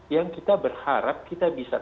yang kita berharap kita bisa